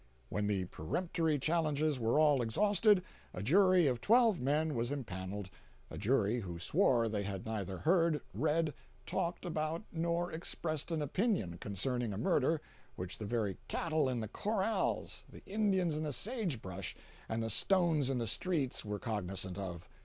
When the peremptory challenges were all exhausted, a jury of twelve men was impaneled—a jury who swore they had neither heard, read, talked about nor expressed an opinion concerning a murder which the very cattle in the corrals, the Indians in the sage brush and the stones in the streets were cognizant of!